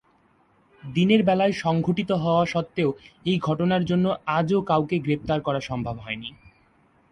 দিনের বেলায় সংঘটিত হওয়া সত্বেও এই ঘটনার জন্য আজও কাউকে গ্রেপ্তার করা সম্ভব হয়নি।